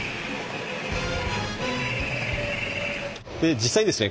実際にですね